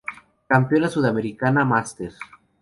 Campeona sudamericana Master.